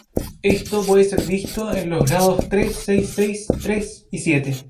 Esto puede ser visto en los grados iii, vi, vi, iii, y vii.